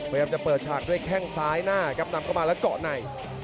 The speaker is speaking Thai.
พยายามจะเปิดฉากด้วยแข้งซ้ายหน้าครับนำเข้ามาแล้วเกาะใน